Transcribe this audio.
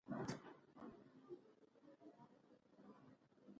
سومریانو مختلف کانالونه او کورونه هم جوړ کړي وو.